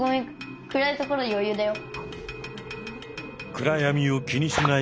暗闇を気にしない